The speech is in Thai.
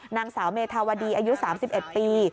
นางสาวเมธาวดีอายุ๓๑ปี